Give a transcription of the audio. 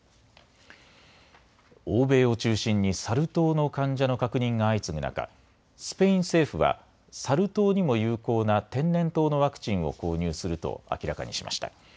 欧米を中心にサル痘の患者の確認が相次ぐ中、スペイン政府はサル痘にも有効な天然痘のワクチンを購入すると明らかにしました。